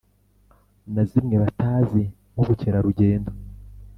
Na zimwe batazi nk ubukerarugendo